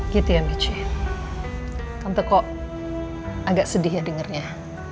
gitu ya miche tante kok agak sedih ya dengarnya